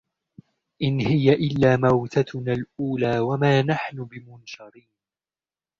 إِنْ هِيَ إِلَّا مَوْتَتُنَا الْأُولَى وَمَا نَحْنُ بِمُنْشَرِينَ